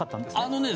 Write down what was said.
あのね